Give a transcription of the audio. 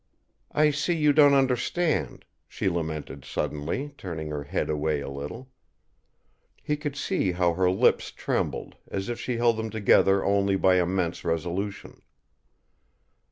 "I see you don't understand!" she lamented suddenly, turning her head away a little. He could see how her lips trembled, as if she held them together only by immense resolution.